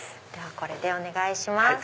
これでお願いします。